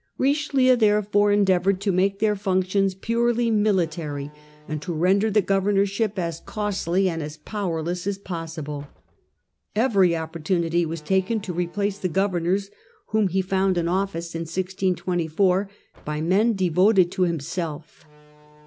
Richelieu therefore endeavoured to make their func tions purely military, and to render the governorship as costly and as powerless as possible. Every opportunity was taken to replace the governors whom he found in office in 1624 by men devoted to himself.